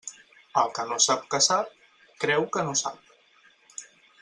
El que no sap que sap, creu que no sap.